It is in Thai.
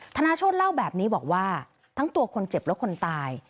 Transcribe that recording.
ธนาโชธเล่าแบบนี้บอกว่าทั้งตัวคนเจ็บและคนตาย